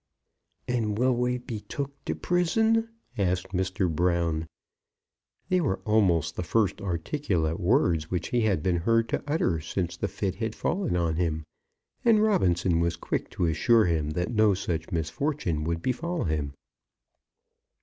"And will we be took to prison?" asked Mr. Brown. They were almost the first articulate words which he had been heard to utter since the fit had fallen on him; and Robinson was quick to assure him that no such misfortune would befall him.